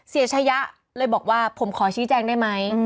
ชะยะเลยบอกว่าผมขอชี้แจงได้ไหม